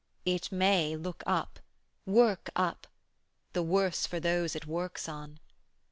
It may look up, work up the worse for those 140 It works on!